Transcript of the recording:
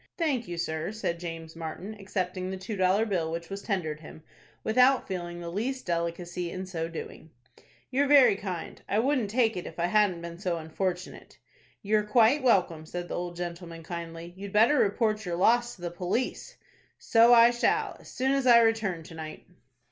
"Thank you, sir," said James Martin, accepting the two dollar bill which was tendered him, without feeling the least delicacy in so doing. "You're very kind. I wouldn't take it if I hadn't been so unfortunate." "You're quite welcome," said the old gentleman, kindly. "You'd better report your loss to the police." "So I shall, as soon as I return to night."